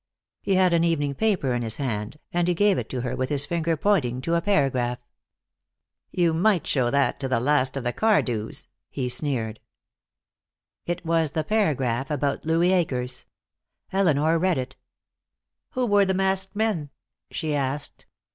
He had an evening paper in his hand, and he gave it to her with his finger pointing to a paragraph. "You might show that to the last of the Cardews," he sneered. It was the paragraph about Louis Akers. Elinor read it. "Who were the masked men?" she asked.